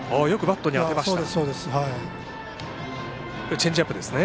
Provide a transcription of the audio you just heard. チェンジアップですね。